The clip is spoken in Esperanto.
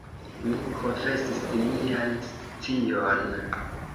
Mi konfesis mian scion.